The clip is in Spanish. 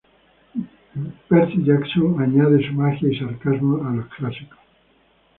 Percy Jackson añade su magia y sarcasmo a los clásicos.